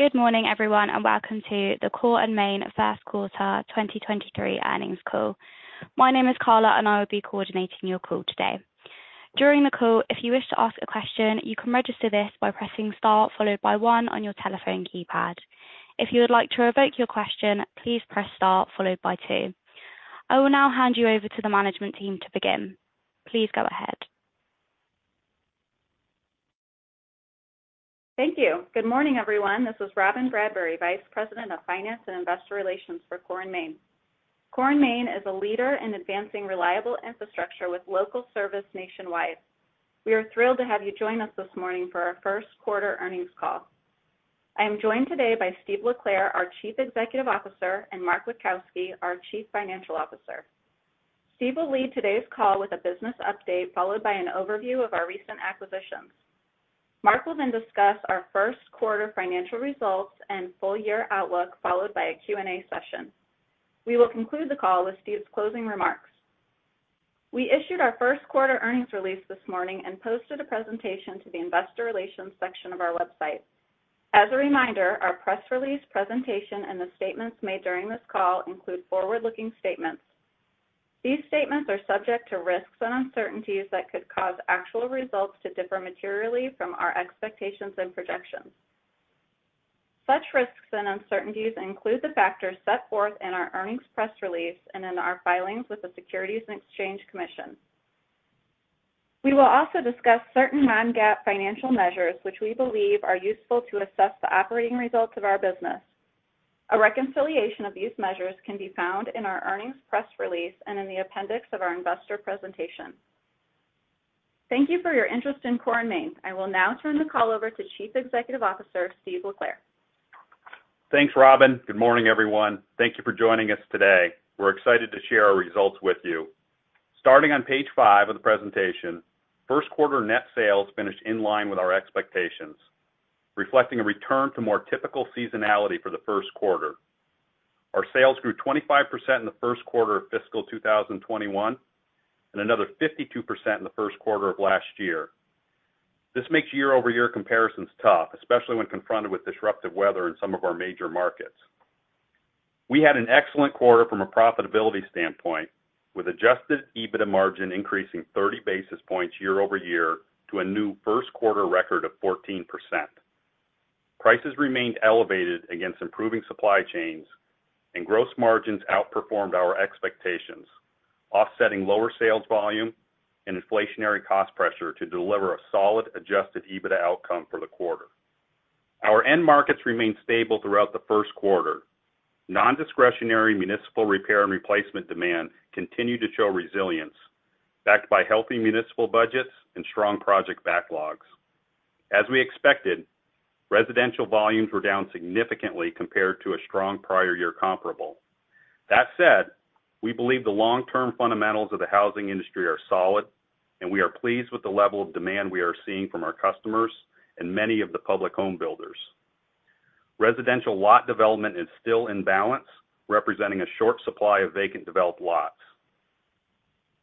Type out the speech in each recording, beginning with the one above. Good morning, everyone, welcome to the Core & Main first quarter 2023 earnings call. My name is Carla, I will be coordinating your call today. During the call, if you wish to ask a question, you can register this by pressing Star followed by one on your telephone keypad. If you would like to revoke your question, please press Star followed by two. I will now hand you over to the management team to begin. Please go ahead. Thank you. Good morning, everyone. This is Robyn Bradbury, Vice President of Finance and Investor Relations for Core & Main. Core & Main is a leader in advancing reliable infrastructure with local service nationwide. We are thrilled to have you join us this morning for our 1st quarter earnings call. I am joined today by Steve LeClair, our Chief Executive Officer, and Mark Witkowski, our Chief Financial Officer. Steve will lead today's call with a business update, followed by an overview of our recent acquisitions. Mark will then discuss our 1st quarter financial results and full year outlook, followed by a Q&A session. We will conclude the call with Steve's closing remarks. We issued our 1st quarter earnings release this morning and posted a presentation to the investor relations section of our website. As a reminder, our press release presentation and the statements made during this call include forward-looking statements. These statements are subject to risks and uncertainties that could cause actual results to differ materially from our expectations and projections. Such risks and uncertainties include the factors set forth in our earnings press release and in our filings with the Securities and Exchange Commission. We will also discuss certain non-GAAP financial measures, which we believe are useful to assess the operating results of our business. A reconciliation of these measures can be found in our earnings press release and in the appendix of our investor presentation. Thank you for your interest in Core & Main. I will now turn the call over to Chief Executive Officer, Steve LeClair. Thanks, Robyn. Good morning, everyone. Thank you for joining us today. We're excited to share our results with you. Starting on page 5 of the presentation, first quarter net sales finished in line with our expectations, reflecting a return to more typical seasonality for the first quarter. Our sales grew 25% in the first quarter of fiscal 2021, and another 52% in the first quarter of last year. This makes year-over-year comparisons tough, especially when confronted with disruptive weather in some of our major markets. We had an excellent quarter from a profitability standpoint, with adjusted EBITDA margin increasing 30 basis points year-over-year to a new first quarter record of 14%. Prices remained elevated against improving supply chains. Gross margins outperformed our expectations, offsetting lower sales volume and inflationary cost pressure to deliver a solid adjusted EBITDA outcome for the quarter. Our end markets remained stable throughout the first quarter. Non-discretionary municipal repair and replacement demand continued to show resilience, backed by healthy municipal budgets and strong project backlogs. As we expected, residential volumes were down significantly compared to a strong prior year comparable. That said, we believe the long-term fundamentals of the housing industry are solid, and we are pleased with the level of demand we are seeing from our customers and many of the public home builders. Residential lot development is still in balance, representing a short supply of vacant developed lots.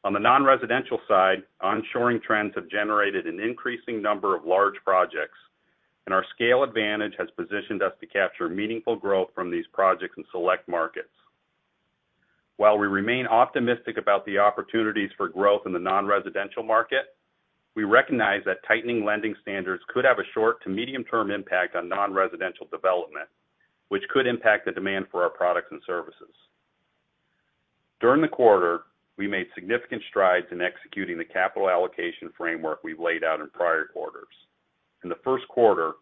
On the non-residential side, onshoring trends have generated an increasing number of large projects, and our scale advantage has positioned us to capture meaningful growth from these projects in select markets. While we remain optimistic about the opportunities for growth in the non-residential market, we recognize that tightening lending standards could have a short to medium-term impact on non-residential development, which could impact the demand for our products and services. During the quarter, we made significant strides in executing the capital allocation framework we've laid out in prior quarters. In the first quarter,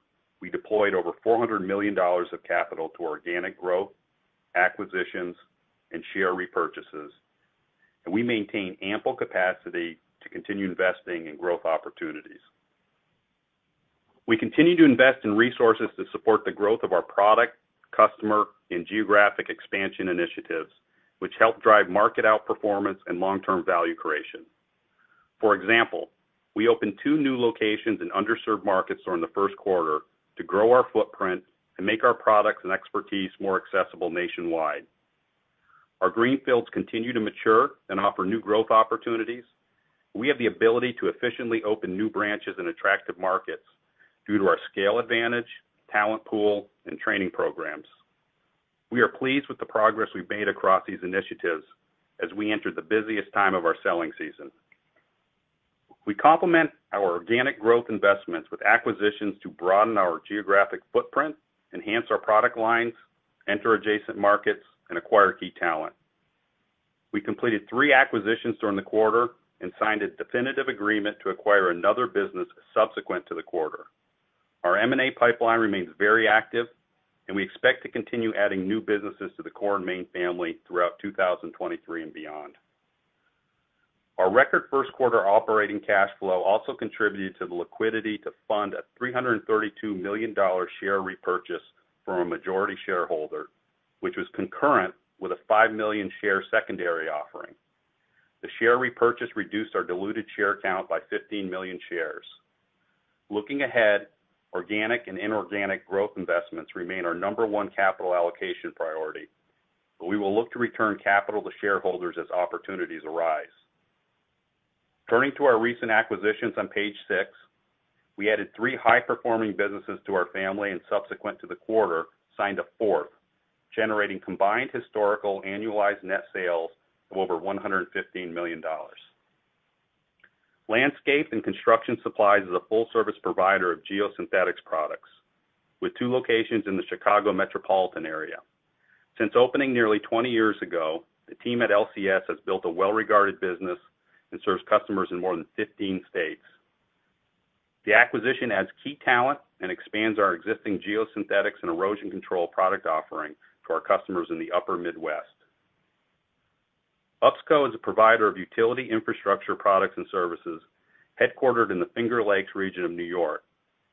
we deployed over $400 million of capital to organic growth, acquisitions, and share repurchases, and we maintain ample capacity to continue investing in growth opportunities. We continue to invest in resources to support the growth of our product, customer, and geographic expansion initiatives, which help drive market outperformance and long-term value creation. For example, we opened two new locations in underserved markets during the first quarter to grow our footprint and make our products and expertise more accessible nationwide. Our greenfields continue to mature and offer new growth opportunities. We have the ability to efficiently open new branches in attractive markets due to our scale advantage, talent pool, and training programs. We are pleased with the progress we've made across these initiatives as we enter the busiest time of our selling season. We complement our organic growth investments with acquisitions to broaden our geographic footprint, enhance our product lines, enter adjacent markets, and acquire key talent. We completed three acquisitions during the quarter and signed a definitive agreement to acquire another business subsequent to the quarter. Our M&A pipeline remains very active, and we expect to continue adding new businesses to the Core & Main family throughout 2023 and beyond. Our record first quarter operating cash flow also contributed to the liquidity to fund a $332 million share repurchase from a majority shareholder, which was concurrent with a 5 million share secondary offering. The share repurchase reduced our diluted share count by 15 million shares. Looking ahead, organic and inorganic growth investments remain our number one capital allocation priority. We will look to return capital to shareholders as opportunities arise. Turning to our recent acquisitions on page six, we added three high-performing businesses to our family. Subsequent to the quarter, signed a fourth, generating combined historical annualized net sales of over $115 million. Landscape & Construction Supplies is a full-service provider of geosynthetics products, with two locations in the Chicago metropolitan area. Since opening nearly 20 years ago, the team at LCS has built a well-regarded business and serves customers in more than 15 states. The acquisition adds key talent and expands our existing geosynthetics and erosion control product offering to our customers in the upper Midwest. UPSCO is a provider of utility infrastructure products and services, headquartered in the Finger Lakes region of New York,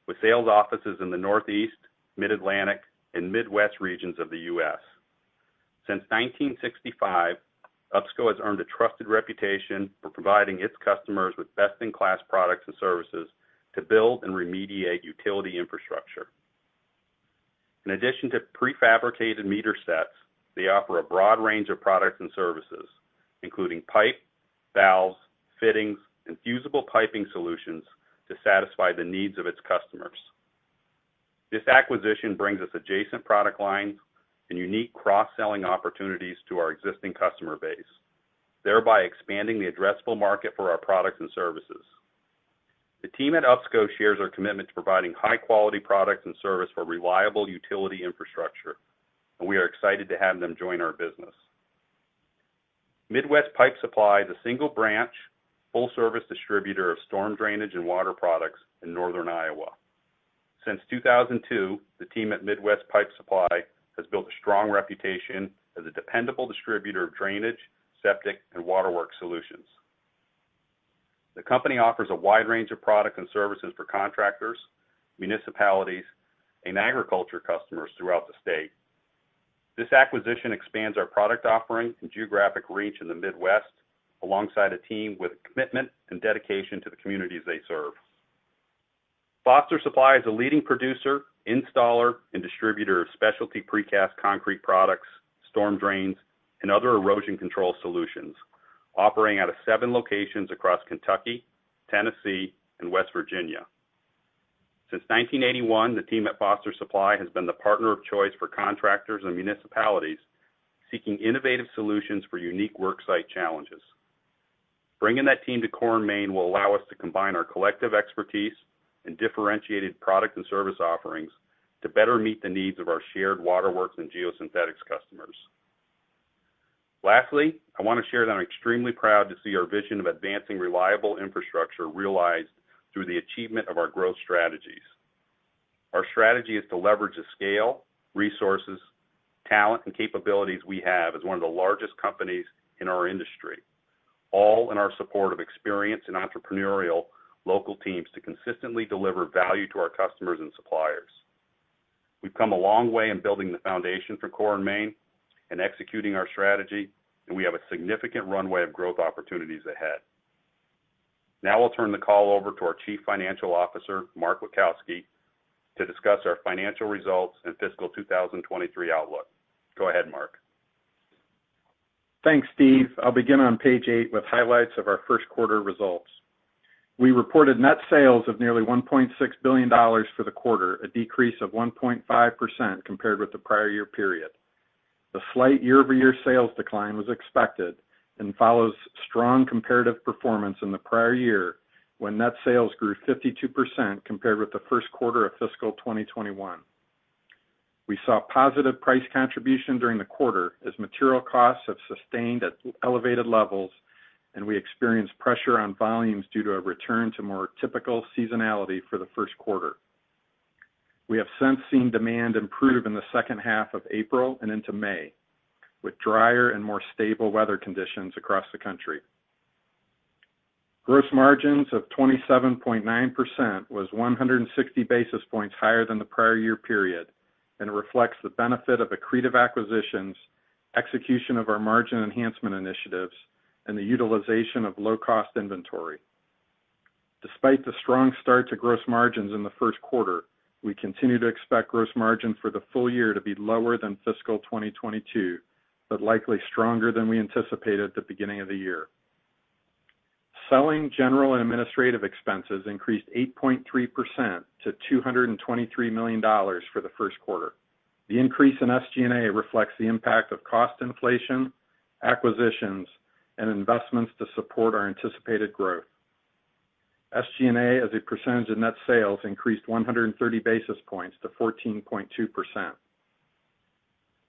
with sales offices in the Northeast, Mid-Atlantic, and Midwest regions of the U.S. Since 1965, UPSCO has earned a trusted reputation for providing its customers with best-in-class products and services to build and remediate utility infrastructure. In addition to prefabricated meter sets, they offer a broad range of products and services, including pipe, valves, fittings, and fusible piping solutions to satisfy the needs of its customers. This acquisition brings us adjacent product lines and unique cross-selling opportunities to our existing customer base, thereby expanding the addressable market for our products and services. The team at UPSCO shares our commitment to providing high-quality products and service for reliable utility infrastructure, and we are excited to have them join our business. Midwest Pipe Supply is a single-branch, full-service distributor of storm drainage and water products in Northern Iowa. Since 2002, the team at Midwest Pipe Supply has built a strong reputation as a dependable distributor of drainage, septic, and waterwork solutions. The company offers a wide range of products and services for contractors, municipalities, and agriculture customers throughout the state. This acquisition expands our product offering and geographic reach in the Midwest, alongside a team with a commitment and dedication to the communities they serve. Foster Supply is a leading producer, installer, and distributor of specialty precast concrete products, storm drains, and other erosion control solutions, operating out of seven locations across Kentucky, Tennessee, and West Virginia. Since 1981, the team at Foster Supply has been the partner of choice for contractors and municipalities seeking innovative solutions for unique worksite challenges. Bringing that team to Core & Main will allow us to combine our collective expertise and differentiated product and service offerings to better meet the needs of our shared waterworks and geosynthetics customers. Lastly, I want to share that I'm extremely proud to see our vision of advancing reliable infrastructure realized through the achievement of our growth strategies. Our strategy is to leverage the scale, resources, talent, and capabilities we have as one of the largest companies in our industry, all in our support of experienced and entrepreneurial local teams to consistently deliver value to our customers and suppliers. We've come a long way in building the foundation for Core & Main and executing our strategy, and we have a significant runway of growth opportunities ahead. Now I'll turn the call over to our Chief Financial Officer, Mark Witkowski, to discuss our financial results and fiscal 2023 outlook. Go ahead, Mark. Thanks, Steve. I'll begin on page 8 with highlights of our first quarter results. We reported net sales of nearly $1.6 billion for the quarter, a decrease of 1.5% compared with the prior year period. The slight year-over-year sales decline was expected and follows strong comparative performance in the prior year, when net sales grew 52% compared with the first quarter of fiscal 2021. We saw positive price contribution during the quarter, as material costs have sustained at elevated levels, and we experienced pressure on volumes due to a return to more typical seasonality for the first quarter. We have since seen demand improve in the second half of April and into May, with drier and more stable weather conditions across the country. Gross margins of 27.9% was 160 basis points higher than the prior year period. It reflects the benefit of accretive acquisitions, execution of our margin enhancement initiatives, and the utilization of low-cost inventory. Despite the strong start to gross margins in the first quarter, we continue to expect gross margins for the full year to be lower than fiscal 2022, but likely stronger than we anticipated at the beginning of the year. Selling, general, and administrative expenses increased 8.3% to $223 million for the first quarter. The increase in SG&A reflects the impact of cost inflation, acquisitions, and investments to support our anticipated growth. SG&A, as a percentage of net sales, increased 130 basis points to 14.2%.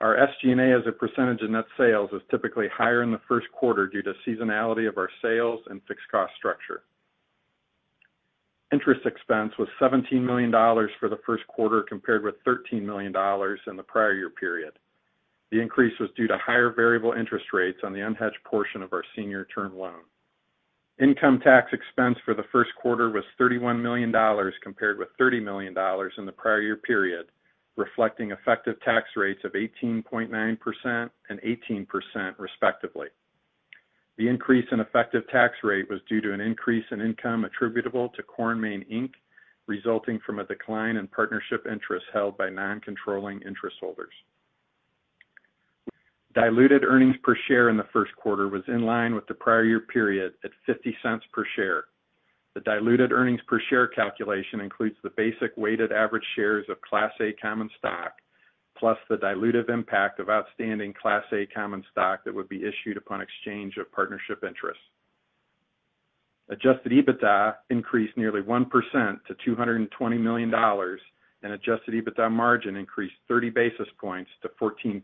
Our SG&A, as a percentage of net sales, is typically higher in the first quarter due to seasonality of our sales and fixed cost structure. Interest expense was $17 million for the first quarter, compared with $13 million in the prior year period. The increase was due to higher variable interest rates on the unhedged portion of our senior term loan. Income tax expense for the first quarter was $31 million, compared with $30 million in the prior year period, reflecting effective tax rates of 18.9% and 18%, respectively. The increase in effective tax rate was due to an increase in income attributable to Core & Main, Inc., resulting from a decline in partnership interests held by non-controlling interest holders. Diluted earnings per share in the first quarter was in line with the prior year period at $0.50 per share. The diluted earnings per share calculation includes the basic weighted average shares of Class A common stock, plus the dilutive impact of outstanding Class A common stock that would be issued upon exchange of partnership interest. Adjusted EBITDA increased nearly 1% to $220 million, and adjusted EBITDA margin increased 30 basis points to 14%.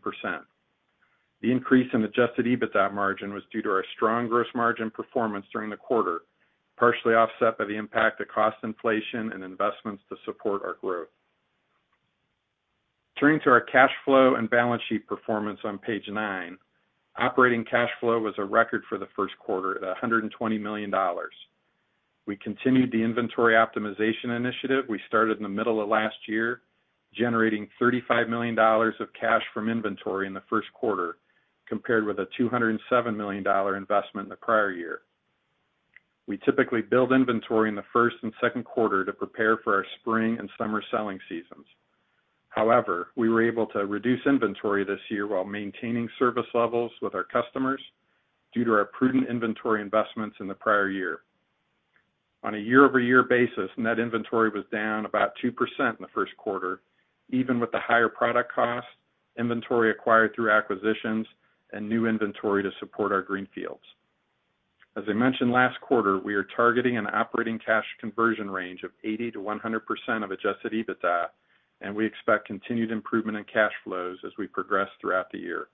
The increase in adjusted EBITDA margin was due to our strong gross margin performance during the quarter, partially offset by the impact of cost inflation and investments to support our growth. Turning to our cash flow and balance sheet performance on page 9. Operating cash flow was a record for the first quarter at $120 million. We continued the inventory optimization initiative we started in the middle of last year, generating $35 million of cash from inventory in the first quarter, compared with a $207 million investment in the prior year. We typically build inventory in the first and second quarter to prepare for our spring and summer selling seasons. However, we were able to reduce inventory this year while maintaining service levels with our customers due to our prudent inventory investments in the prior year. On a year-over-year basis, net inventory was down about 2% in the first quarter, even with the higher product costs, inventory acquired through acquisitions, and new inventory to support our greenfields. As I mentioned last quarter, we are targeting an operating cash conversion range of 80%-100% of adjusted EBITDA. We expect continued improvement in cash flows as we progress throughout the year.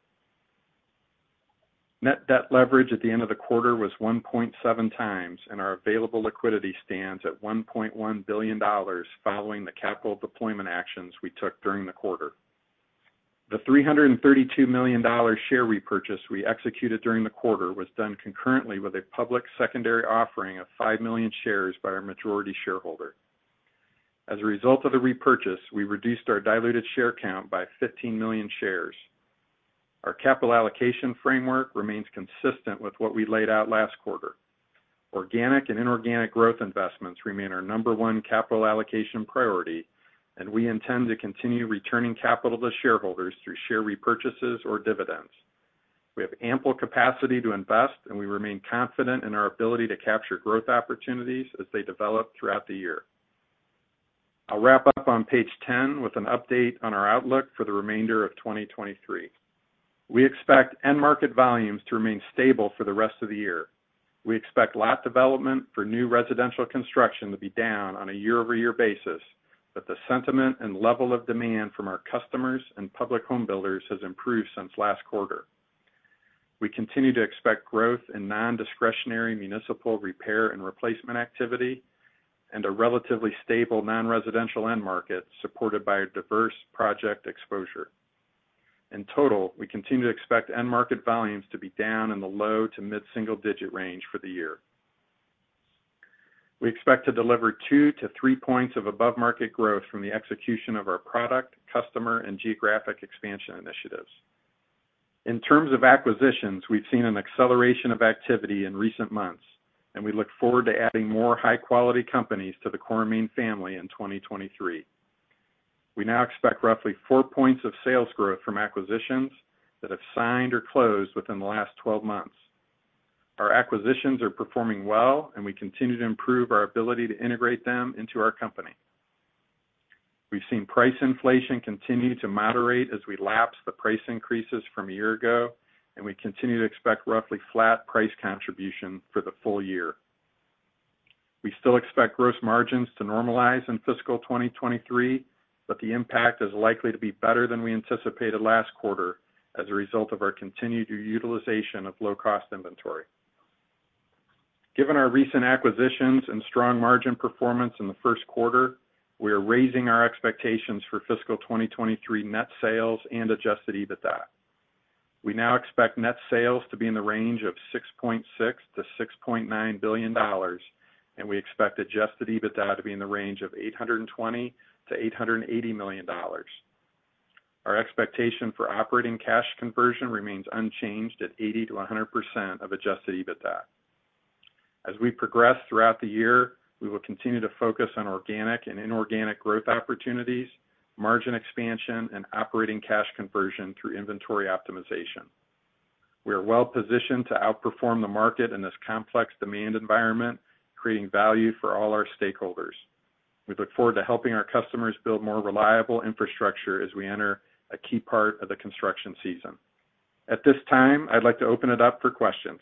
Net debt leverage at the end of the quarter was 1.7 times, and our available liquidity stands at $1.1 billion, following the capital deployment actions we took during the quarter. The $332 million share repurchase we executed during the quarter was done concurrently with a public secondary offering of 5 million shares by our majority shareholder. As a result of the repurchase, we reduced our diluted share count by 15 million shares. Our capital allocation framework remains consistent with what we laid out last quarter. Organic and inorganic growth investments remain our number one capital allocation priority, and we intend to continue returning capital to shareholders through share repurchases or dividends. We have ample capacity to invest, and we remain confident in our ability to capture growth opportunities as they develop throughout the year. I'll wrap up on page 10 with an update on our outlook for the remainder of 2023. We expect end market volumes to remain stable for the rest of the year. We expect lot development for new residential construction to be down on a year-over-year basis, but the sentiment and level of demand from our customers and public home builders has improved since last quarter. We continue to expect growth in nondiscretionary municipal repair and replacement activity, and a relatively stable non-residential end market, supported by a diverse project exposure. In total, we continue to expect end market volumes to be down in the low to mid-single-digit range for the year. We expect to deliver 2 to 3 points of above-market growth from the execution of our product, customer, and geographic expansion initiatives. In terms of acquisitions, we've seen an acceleration of activity in recent months. We look forward to adding more high-quality companies to the Core & Main family in 2023. We now expect roughly 4 points of sales growth from acquisitions that have signed or closed within the last 12 months. Our acquisitions are performing well. We continue to improve our ability to integrate them into our company. We've seen price inflation continue to moderate as we lapse the price increases from a year ago. We continue to expect roughly flat price contribution for the full year. We still expect gross margins to normalize in fiscal 2023, but the impact is likely to be better than we anticipated last quarter as a result of our continued utilization of low-cost inventory. Given our recent acquisitions and strong margin performance in the first quarter, we are raising our expectations for fiscal 2023 net sales and adjusted EBITDA. We now expect net sales to be in the range of $6.6 billion-$6.9 billion, and we expect adjusted EBITDA to be in the range of $820 million-$880 million. Our expectation for operating cash conversion remains unchanged at 80%-100% of adjusted EBITDA. As we progress throughout the year, we will continue to focus on organic and inorganic growth opportunities, margin expansion, and operating cash conversion through inventory optimization. We are well positioned to outperform the market in this complex demand environment, creating value for all our stakeholders. We look forward to helping our customers build more reliable infrastructure as we enter a key part of the construction season. At this time, I'd like to open it up for questions.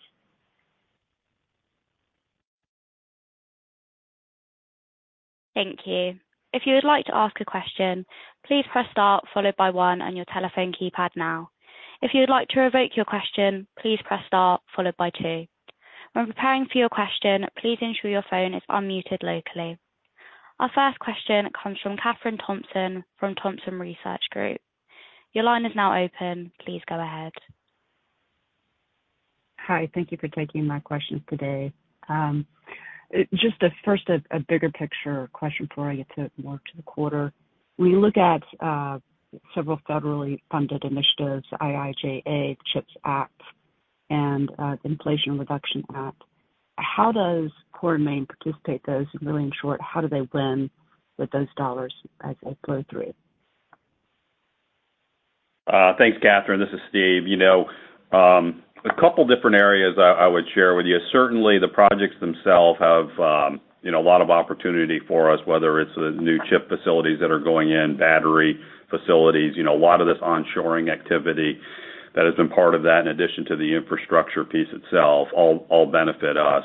Thank you. If you would like to ask a question, please press star followed by one on your telephone keypad now. If you would like to revoke your question, please press star followed by two. When preparing for your question, please ensure your phone is unmuted locally. Our first question comes from Kathryn Thompson from Thompson Research Group. Your line is now open. Please go ahead. Hi, thank you for taking my questions today. just a first, a bigger picture question before I get to more to the quarter. When you look at several federally funded initiatives, IIJA, CHIPS Act,... and Inflation Reduction Act, how does Core & Main participate those? Really in short, how do they win with those dollars as they flow through? Thanks, Catherine. This is Steve. You know, a couple different areas I would share with you. Certainly, the projects themselves have, you know, a lot of opportunity for us, whether it's the new chip facilities that are going in, battery facilities. You know, a lot of this onshoring activity that has been part of that, in addition to the infrastructure piece itself, all benefit us.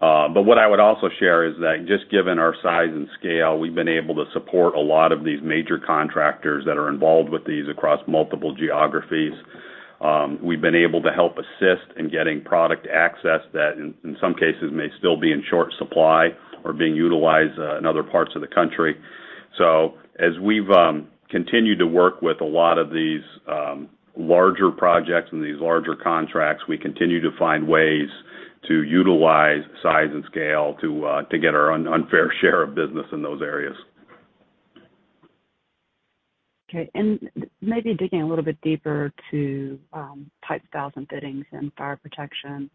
What I would also share is that just given our size and scale, we've been able to support a lot of these major contractors that are involved with these across multiple geographies. We've been able to help assist in getting product access that, in some cases, may still be in short supply or being utilized in other parts of the country. As we've continued to work with a lot of these larger projects and these larger contracts, we continue to find ways to utilize size and scale to get our unfair share of business in those areas. Okay. Maybe digging a little bit deeper to pipes, valves & fittings and fire protection,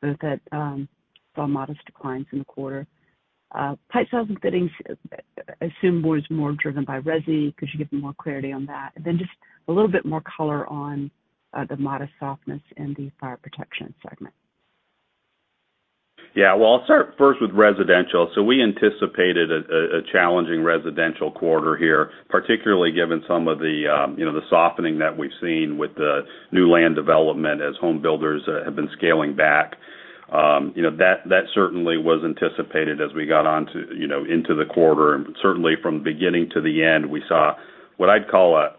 both that saw modest declines in the quarter. Pipes, valves & fittings, I assume was more driven by resi. Could you give me more clarity on that? Just a little bit more color on the modest softness in the fire protection segment. Yeah. Well, I'll start first with residential. We anticipated a challenging residential quarter here, particularly given some of the, you know, the softening that we've seen with the new lan d development as home builders have been scaling back. You know, that certainly was anticipated as we got onto, you know, into the quarter. Certainly, from the beginning to the end, we saw what I'd call a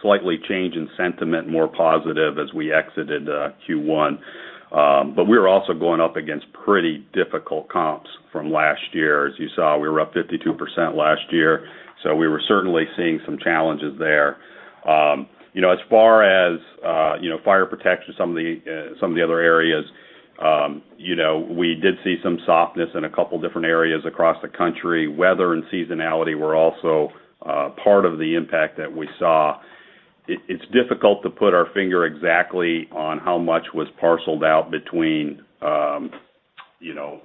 slightly change in sentiment, more positive as we exited Q1. We were also going up against pretty difficult comps from last year. As you saw, we were up 52% last year, so we were certainly seeing some challenges there. You know, as far as, you know, fire protection, some of the, some of the other areas, you know, we did see some softness in a couple different areas across the country. Weather and seasonality were also part of the impact that we saw. It's difficult to put our finger exactly on how much was parceled out between, you know,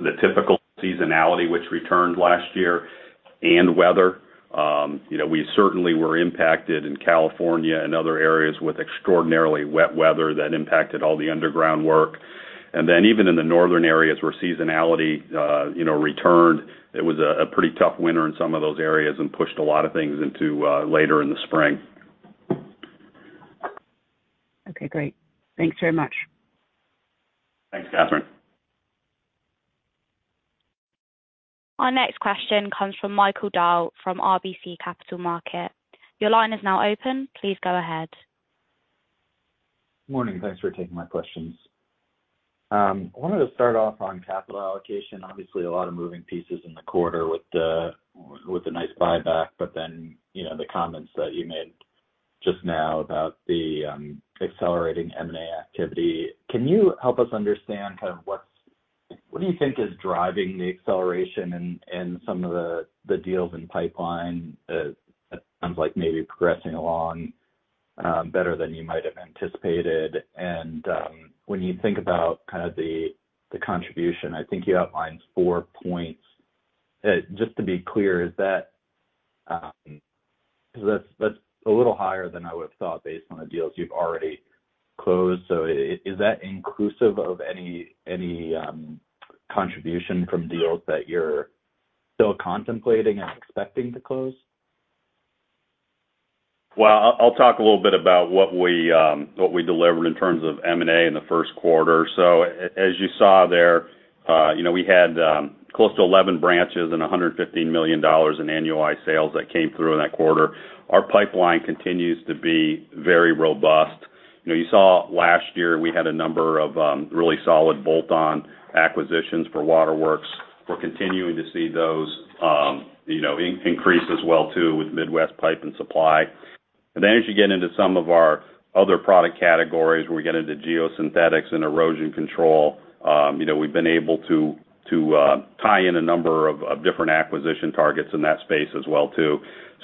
the typical seasonality, which returned last year, and weather. You know, we certainly were impacted in California and other areas with extraordinarily wet weather that impacted all the underground work. Even in the northern areas where seasonality, you know, returned, it was a pretty tough winter in some of those areas and pushed a lot of things into later in the spring. Okay, great. Thanks very much. Thanks, Kathryn. Our next question comes from Michael Dahl from RBC Capital Markets. Your line is now open. Please go ahead. Morning. Thanks for taking my questions. I wanted to start off on capital allocation. Obviously, a lot of moving pieces in the quarter with the, with the nice buyback, you know, the comments that you made just now about the accelerating M&A activity. Can you help us understand kind of what do you think is driving the acceleration in some of the deals in pipeline that sounds like maybe progressing along better than you might have anticipated? When you think about kind of the contribution, I think you outlined 4 points. Just to be clear, is that 'cause that's a little higher than I would've thought based on the deals you've already closed? So is that inclusive of any contribution from deals that you're still contemplating and expecting to close? Well, I'll talk a little bit about what we delivered in terms of M&A in the first quarter. As you saw there, you know, we had close to 11 branches and $115 million in annualized sales that came through in that quarter. Our pipeline continues to be very robust. You know, you saw last year we had a number of really solid bolt-on acquisitions for waterworks. We're continuing to see those, you know, increase as well too, with Midwest Pipe Supply. Then as you get into some of our other product categories, where we get into geosynthetics and erosion control, you know, we've been able to tie in a number of different acquisition targets in that space as well, too.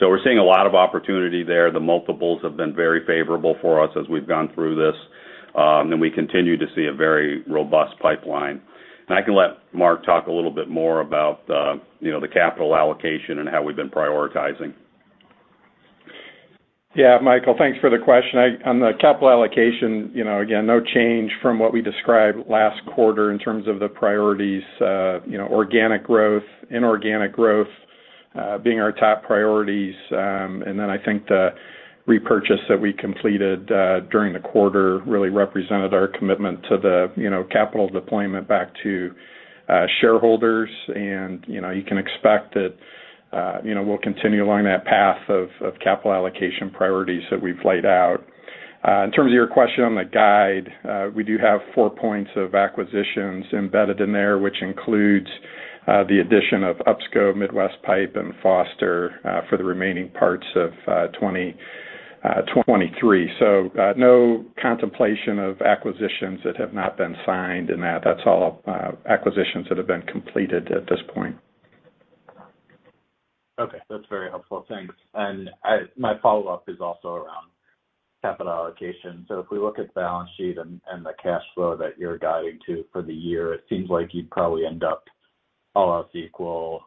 We're seeing a lot of opportunity there. The multiples have been very favorable for us as we've gone through this, and we continue to see a very robust pipeline. I can let Mark talk a little bit more about the, you know, the capital allocation and how we've been prioritizing. Yeah, Michael, thanks for the question. On the capital allocation, you know, again, no change from what we described last quarter in terms of the priorities. You know, organic growth, inorganic growth, being our top priorities. Then I think the repurchase that we completed during the quarter really represented our commitment to the, you know, capital deployment back to shareholders. You know, you can expect that, you know, we'll continue along that path of capital allocation priorities that we've laid out. In terms of your question on the guide, we do have 4 points of acquisitions embedded in there, which includes the addition of UPSCO, Midwest Pipe, and Foster, for the remaining parts of 2023. No contemplation of acquisitions that have not been signed, and that's all, acquisitions that have been completed at this point. Okay, that's very helpful. Thanks. My follow-up is also around capital allocation. If we look at the balance sheet and, the cash flow that you're guiding to for the year, it seems like you'd probably end up, all else equal,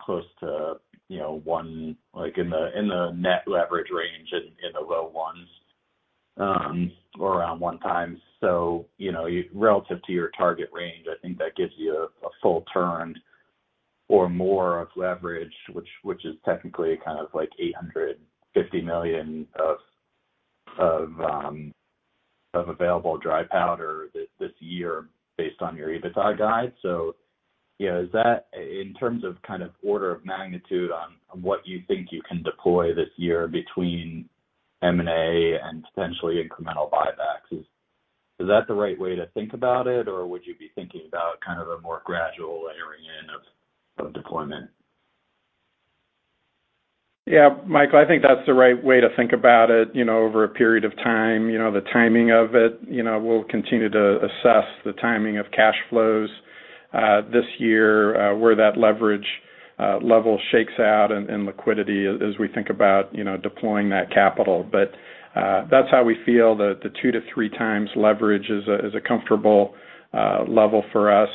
close to, you know, 1, like, in the, in the net leverage range in the low 1s, or around 1x. You know, relative to your target range, I think that gives you a full turn or more of leverage, which is technically kind of like $850 million of available dry powder this year based on your EBITDA guide. You know, in terms of kind of order of magnitude on what you think you can deploy this year between M&A and potentially incremental buybacks, is that the right way to think about it? Or would you be thinking about kind of a more gradual layering in of deployment? Yeah, Michael, I think that's the right way to think about it, you know, over a period of time. You know, the timing of it, you know, we'll continue to assess the timing of cash flows, this year, where that leverage level shakes out and liquidity as we think about, you know, deploying that capital. That's how we feel, the 2 to 3 times leverage is a comfortable level for us.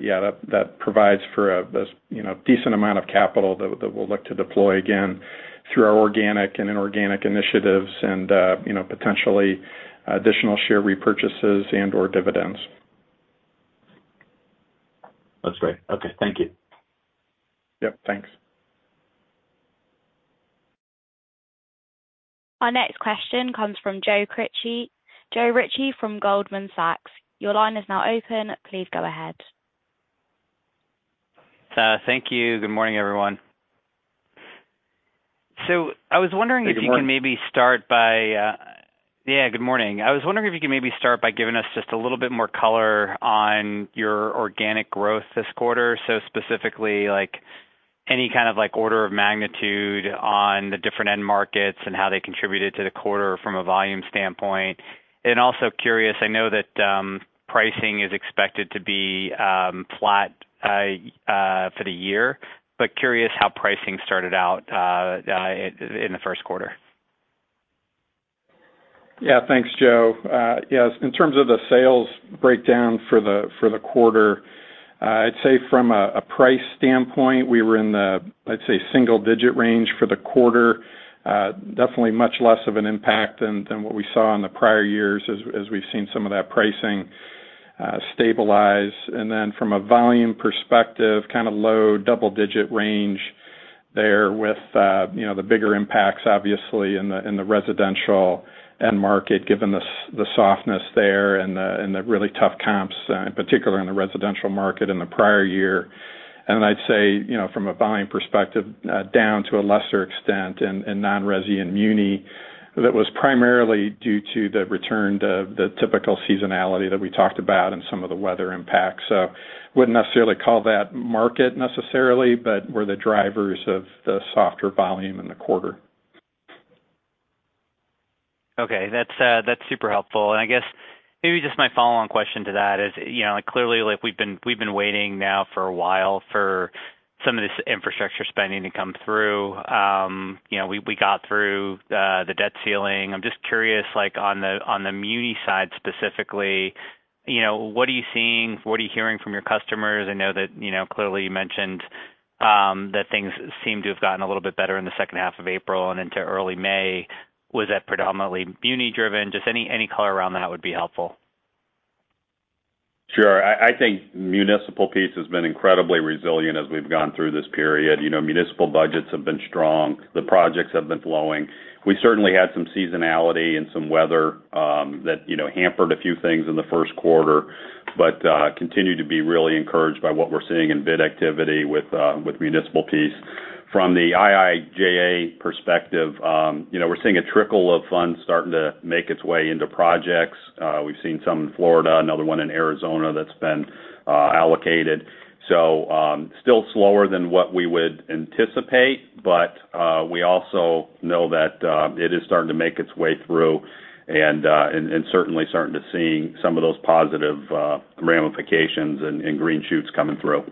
Yeah, that provides for a, you know, decent amount of capital that we'll look to deploy again through our organic and inorganic initiatives and, you know, potentially additional share repurchases and/or dividends. That's great. Okay, thank you. Yep, thanks. Our next question comes from Joe Ritchie. Joe Ritchie from Goldman Sachs, your line is now open. Please go ahead. Thank you. Good morning, everyone. Good morning. - if you can maybe start by. Yeah, good morning. I was wondering if you could maybe start by giving us just a little bit more color on your organic growth this quarter. Specifically, like, any kind of, like, order of magnitude on the different end markets and how they contributed to the quarter from a volume standpoint. Also curious, I know that pricing is expected to be flat for the year, but curious how pricing started out in the first quarter. Yeah, thanks, Joe. Yes, in terms of the sales breakdown for the quarter, I'd say from a price standpoint, we were in the single-digit range for the quarter. Definitely much less of an impact than what we saw in the prior years as we've seen some of that pricing stabilize. From a volume perspective, kind of low double-digit range there with, you know, the bigger impacts, obviously, in the residential end market, given the softness there and the really tough comps in particular in the residential market in the prior year. I'd say, you know, from a volume perspective, down to a lesser extent in non-resi and muni, that was primarily due to the return to the typical seasonality that we talked about and some of the weather impacts. Wouldn't necessarily call that market necessarily, but were the drivers of the softer volume in the quarter. Okay. That's, that's super helpful. I guess maybe just my follow-on question to that is, you know, clearly, like, we've been, we've been waiting now for a while for some of this infrastructure spending to come through. You know, we got through, the debt ceiling. I'm just curious, like, on the, on the muni side specifically, you know, what are you seeing? What are you hearing from your customers? I know that, you know, clearly you mentioned, that things seem to have gotten a little bit better in the second half of April and into early May. Was that predominantly muni-driven? Just any color around that would be helpful. Sure. I think municipal piece has been incredibly resilient as we've gone through this period. You know, municipal budgets have been strong. The projects have been flowing. We certainly had some seasonality and some weather, that, you know, hampered a few things in the first quarter, but, continue to be really encouraged by what we're seeing in bid activity with municipal piece. From the IIJA perspective, you know, we're seeing a trickle of funds starting to make its way into projects. We've seen some in Florida, another one in Arizona that's been allocated. Still slower than what we would anticipate, but, we also know that it is starting to make its way through and certainly starting to seeing some of those positive ramifications and green shoots coming through.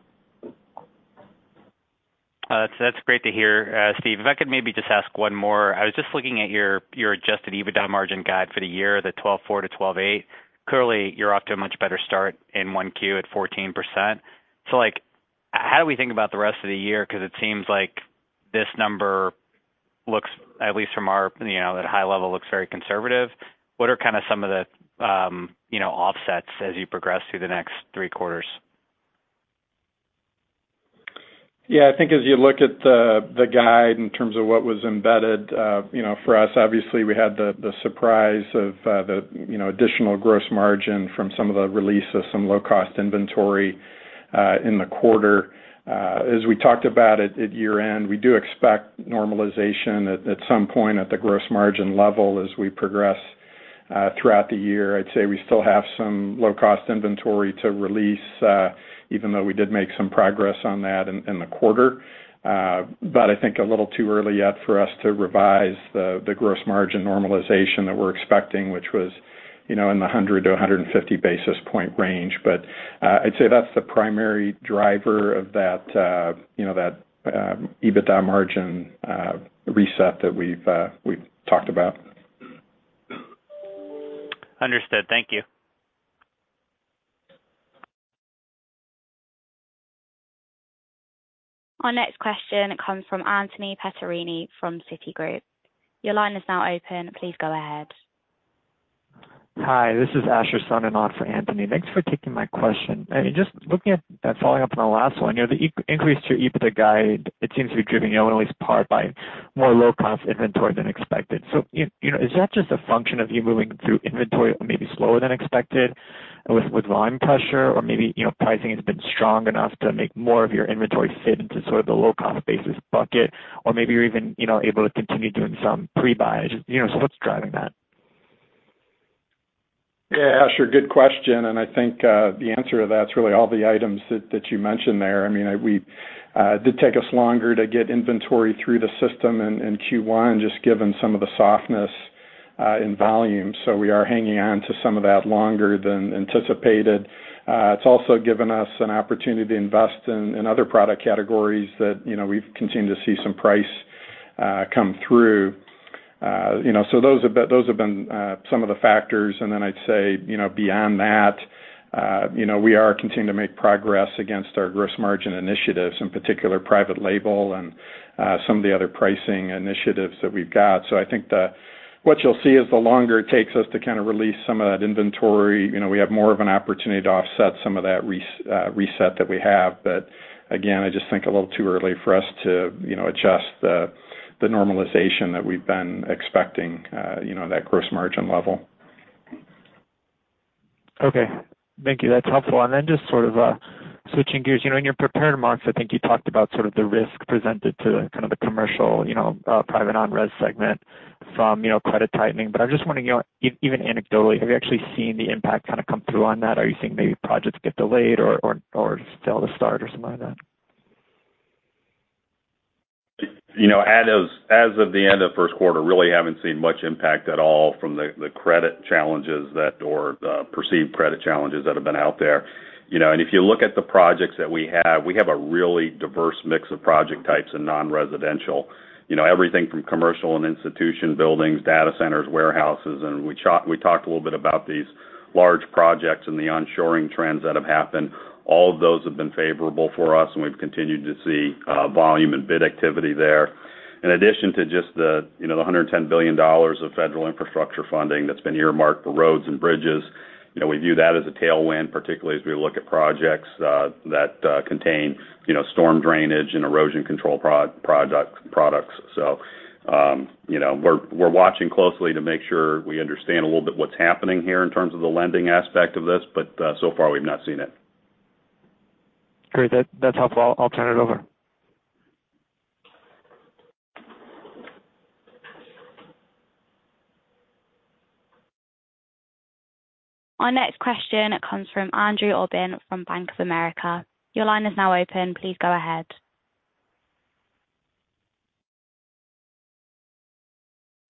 That's great to hear, Steve. If I could maybe just ask one more. I was just looking at your adjusted EBITDA margin guide for the year, the 12.4%-12.8%. Clearly, you're off to a much better start in Q1 at 14%. Like, how do we think about the rest of the year? It seems like this number looks, at least from our, you know, at a high level, looks very conservative. What are kind of some of the, you know, offsets as you progress through the next three quarters? Yeah, I think as you look at the guide in terms of what was embedded, you know, for us, obviously, we had the surprise of, the, you know, additional gross margin from some of the release of some low-cost inventory, in the quarter. As we talked about at year-end, we do expect normalization at some point at the gross margin level as we progress, throughout the year. I'd say we still have some low-cost inventory to release, even though we did make some progress on that in the quarter. I think a little too early yet for us to revise the gross margin normalization that we're expecting, which was, you know, in the 100-150 basis point range. I'd say that's the primary driver of that, you know, that, EBITDA margin, reset that we've talked about. Understood. Thank you. Our next question comes from Anthony Pettinari from Citigroup. Your line is now open. Please go ahead. Hi, this is Asher Soninon for Anthony. Thanks for taking my question. Just looking at following up on the last one, you know, the increase to your EBITDA guide, it seems to be driven, you know, at least part by more low-cost inventory than expected. you know, is that just a function of you moving through inventory maybe slower than expected with volume pressure, or maybe, you know, pricing has been strong enough to make more of your inventory fit into sort of the low-cost basis bucket? maybe you're even, you know, able to continue doing some pre-buy. Just, you know, what's driving that? Asher, good question, and I think the answer to that's really all the items that you mentioned there. I mean, it did take us longer to get inventory through the system in Q1, just given some of the softness in volume. We are hanging on to some of that longer than anticipated. It's also given us an opportunity to invest in other product categories that, you know, we've continued to see some price come through. You know, those have been, those have been some of the factors. I'd say, you know, beyond that, you know, we are continuing to make progress against our gross margin initiatives, in particular, private label and some of the other pricing initiatives that we've got. I think what you'll see is the longer it takes us to kind of release some of that inventory, you know, we have more of an opportunity to offset some of that reset that we have. But again, I just think a little too early for us to, you know, adjust the normalization that we've been expecting, you know, that gross margin level. Okay, thank you. That's helpful. Just sort of, switching gears. You know, in your prepared remarks, I think you talked about sort of the risk presented to kind of the commercial, you know, private non-res segment from, you know, credit tightening. I'm just wondering, you know, even anecdotally, have you actually seen the impact kind of come through on that? Are you seeing maybe projects get delayed or fail to start or something like that? You know, as of the end of first quarter, really haven't seen much impact at all from the credit challenges that or the perceived credit challenges that have been out there. You know, if you look at the projects that we have, we have a really diverse mix of project types in non-residential. You know, everything from commercial and institution buildings, data centers, warehouses, we talked a little bit about these large projects and the onshoring trends that have happened. All of those have been favorable for us, and we've continued to see volume and bid activity there. In addition to just the, you know, the $110 billion of federal infrastructure funding that's been earmarked for roads and bridges, you know, we view that as a tailwind, particularly as we look at projects that contain, you know, storm drainage and erosion control products. You know, we're watching closely to make sure we understand a little bit what's happening here in terms of the lending aspect of this, but so far we've not seen it. Great. That's helpful. I'll turn it over. Our next question comes from Andrew Obin from Bank of America. Your line is now open. Please go ahead.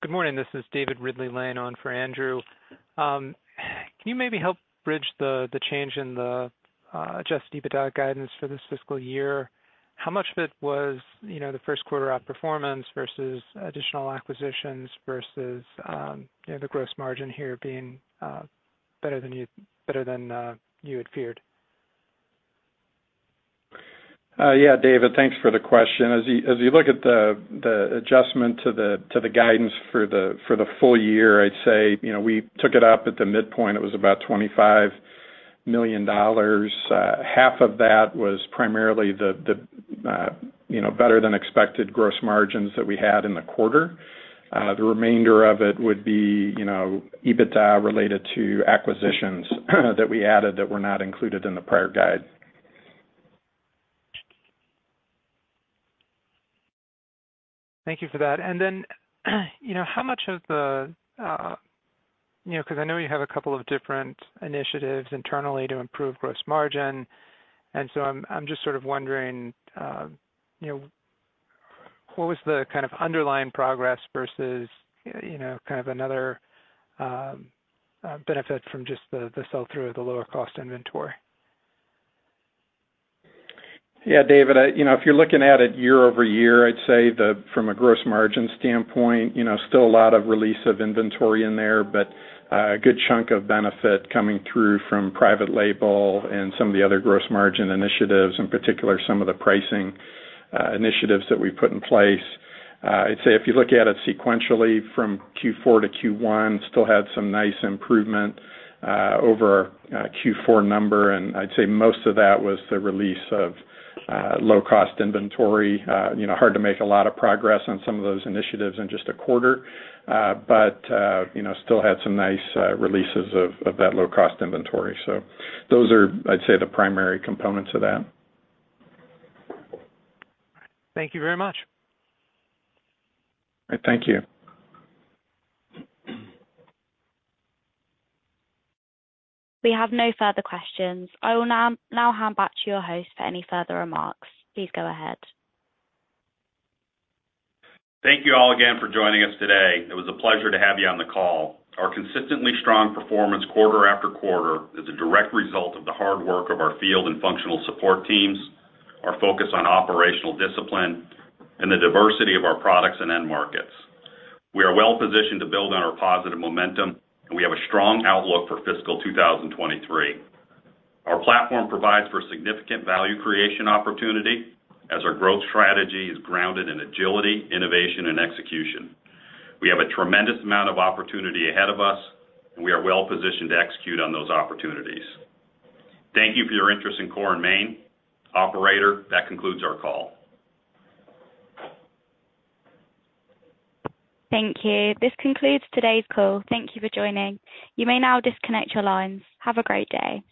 Good morning. This is David Ridley laying on for Andrew. Can you maybe help bridge the change in the adjusted EBITDA guidance for this fiscal year? How much of it was, you know, the first quarter outperformance versus additional acquisitions versus, you know, the gross margin here being better than you had feared? Yeah, David, thanks for the question. As you look at the adjustment to the guidance for the full year, I'd say, you know, we took it up at the midpoint. It was about $25 million. Half of that was primarily the, you know, better than expected gross margins that we had in the quarter. The remainder of it would be, you know, EBITDA related to acquisitions that we added that were not included in the prior guide. Thank you for that. You know, because I know you have a couple of different initiatives internally to improve gross margin. I'm just sort of wondering, you know, what was the kind of underlying progress versus, you know, kind of another benefit from just the sell-through of the lower cost inventory? David, you know, if you're looking at it year-over-year, I'd say the, from a gross margin standpoint, you know, still a lot of release of inventory in there, but a good chunk of benefit coming through from private label and some of the other gross margin initiatives, in particular, some of the pricing initiatives that we put in place. I'd say if you look at it sequentially from Q4 to Q1, still had some nice improvement over Q4 number, and I'd say most of that was the release of low-cost inventory. You know, hard to make a lot of progress on some of those initiatives in just a quarter, but, you know, still had some nice releases of that low-cost inventory. Those are, I'd say, the primary components of that. Thank you very much. Thank you. We have no further questions. I will now hand back to your host for any further remarks. Please go ahead. Thank you all again for joining us today. It was a pleasure to have you on the call. Our consistently strong performance quarter after quarter is a direct result of the hard work of our field and functional support teams, our focus on operational discipline, and the diversity of our products and end markets. We are well positioned to build on our positive momentum, and we have a strong outlook for fiscal 2023. Our platform provides for significant value creation opportunity as our growth strategy is grounded in agility, innovation, and execution. We have a tremendous amount of opportunity ahead of us, and we are well positioned to execute on those opportunities. Thank you for your interest in Core & Main. Operator, that concludes our call. Thank you. This concludes today's call. Thank you for joining. You may now disconnect your lines. Have a great day.